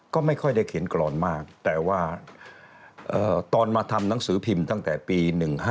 ก็ไม่ค่อยได้เขียนกรอนมากแต่ว่าตอนมาทำหนังสือพิมพ์ตั้งแต่ปี๑๕